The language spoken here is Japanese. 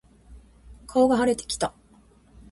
顔が腫れてきた。